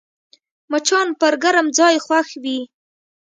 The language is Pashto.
مچان پر ګرم ځای خوښ وي